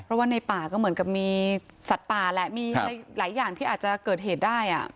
เพราะว่าในป่าก็เหมือนกับมีสัตว์ป่าแหละมีหลายอย่างที่อาจจะเกิดเหตุได้